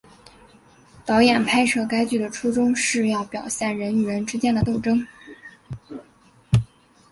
导演拍摄该剧的初衷是要表现人与人之间的斗争。